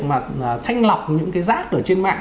mà thanh lọc những cái giác ở trên mạng